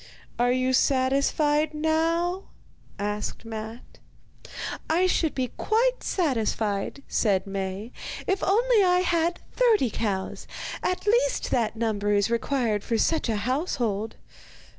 'Are you satisfied now?' asked Matte. 'I should be quite satisfied,' said Maie, 'if only I had thirty cows. At least that number is required for such a household.